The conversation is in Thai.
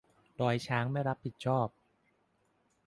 ดอยช้างไม่รับผิดชอบ